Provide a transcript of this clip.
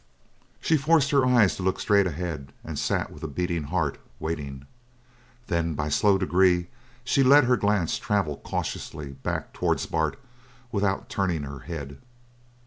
She forced her eyes to look straight ahead and sat with a beating heart, waiting. Then, by slow degrees, she let her glance travel cautiously back towards Bart without turning her head.